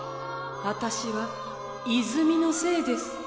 私は泉の精です。